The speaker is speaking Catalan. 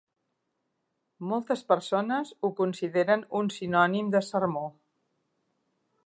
Moltes persones ho consideren un sinònim de sermó.